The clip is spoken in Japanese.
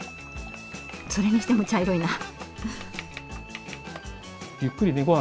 それにしても茶色いなフフッ。